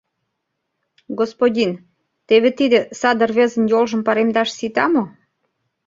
— Господин, теве тиде саде рвезын йолжым паремдаш сита мо?